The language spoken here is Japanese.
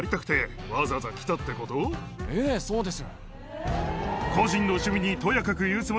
ええそうです。